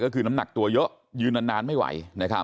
เขาแทนผมเลย